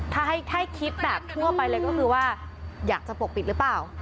ถ้าให้คิดแบบทั่วไปเลยก็คือว่าอยากจะปกปิดหรือเปล่า